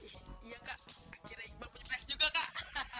iya kak akhirnya iqbal punya pes juga kak